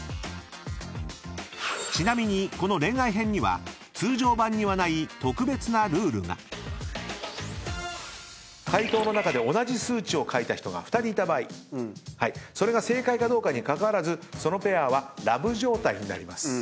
［ちなみにこの恋愛編には通常版にはない特別なルールが］回答の中で同じ数値を書いた人が２人いた場合それが正解かどうかにかかわらずそのペアはラブ状態になります。